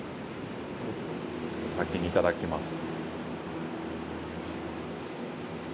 お先にいただきます。